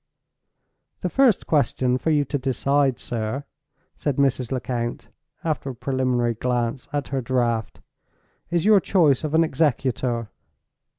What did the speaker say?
"The first question for you to decide, sir," said Mrs. Lecount, after a preliminary glance at her Draft, "is your choice of an executor.